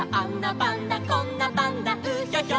パンダこんなパンダうひょひょ」